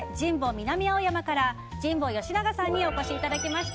南青山から神保住永さんにお越しいただきました。